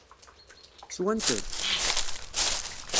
Swant-t?